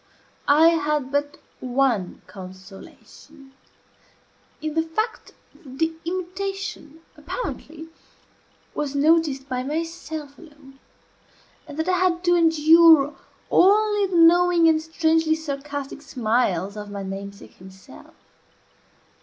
I had but one consolation in the fact that the imitation, apparently, was noticed by myself alone, and that I had to endure only the knowing and strangely sarcastic smiles of my namesake himself.